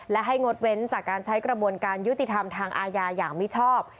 และให้งดเว้นจากการใช้กระบวนการยุติธรรมทางอาญาอย่างมิชอบ